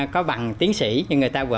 có bằng tiếng sĩ nhưng người ta